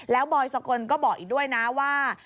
แล้วบอยสกลก็บอกอีกด้วยนะว่า